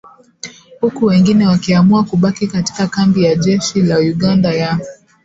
huku wengine wakiamua kubaki katika kambi ya jeshi la Uganda ya